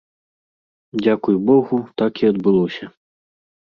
Дзякуй богу, так і адбылося.